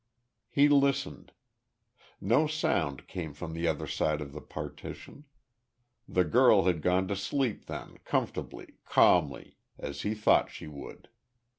He listened. No sound came from the other side of the partition. The girl had gone to sleep then, comfortably, calmly, as he thought she would.